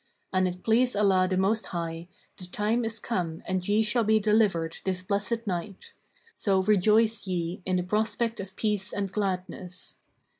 An it please Allah the Most High, the time is come and ye shall be delivered this blessed night; so rejoice ye in the prospect of peace and gladness."